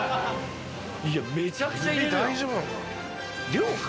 いやめちゃくちゃ入れるやん。